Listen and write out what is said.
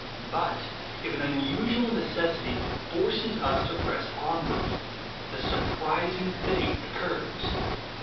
But if an unusual necessity forces us to press onward, a surprising thing occurs.